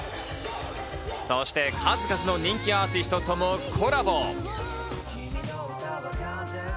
そして数々の人気アーティストともコラボ。